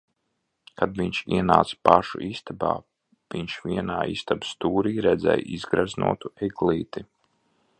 Kad viņš ienāca pašu istabā, viņš vienā istabas stūrī redzēja izgreznotu eglīti.